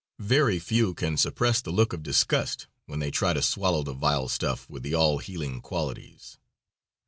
Very few can suppress the look of disgust when they try to swallow the vile stuff with the all healing qualities.